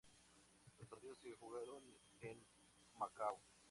Los partidos se jugaron en Macao.